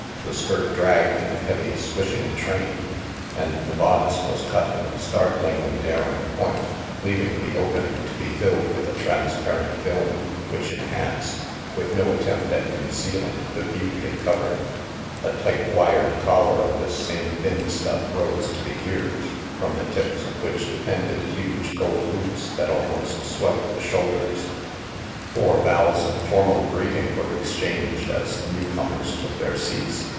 The skirt dragged in a heavy swishing train, and the bodice was cut in a startlingly daring point, leav ing the opening to be filled with a transparent film which enhanced, with no attempt at concealing, the beauty it covered. A tight wired collar of this same thin stuff rose to the ears, from the tips of which depended huge gold hoops that almost swept the shoulders. Four bows of formal greeting were exchanged as the newcomers took their seats.